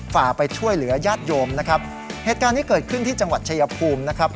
ฝ่าไปช่วยเหลือญาติโยมนะครับเหตุการณ์นี้เกิดขึ้นที่จังหวัดชายภูมินะครับ